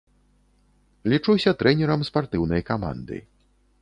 Лічуся трэнерам спартыўнай каманды.